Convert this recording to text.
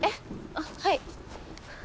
あっはい。